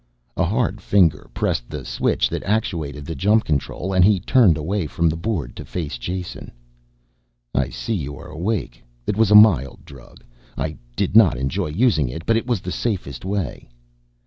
A hard finger pressed the switch that actuated the jump control, and he turned away from the board to face Jason. "I see you are awake. It was a mild drug. I did not enjoy using it, but it was the safest way."